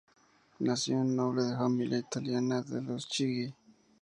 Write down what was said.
Nació en la noble familia Italiana de los Chigi.